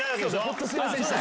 本当すいませんでした。